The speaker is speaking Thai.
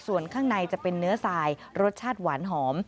ส่วนข้างในจะเป็นเนื้อทรายรสชาติหวานหอม